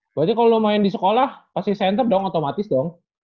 berarti kalau main di sekolah pasti senter dong otomatis dong